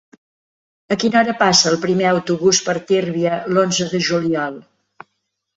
A quina hora passa el primer autobús per Tírvia l'onze de juliol?